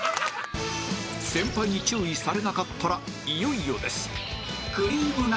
先輩に注意されなかったらいよいよです